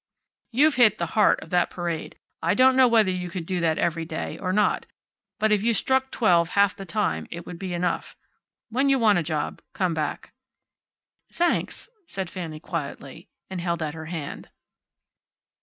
"You've hit the heart of that parade. I don't know whether you could do that every day, or not. But if you struck twelve half the time, it would be enough. When you want a job, come back." "Thanks," said Fanny quietly. And held out her hand.